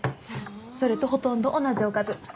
それとほとんど同じおかず。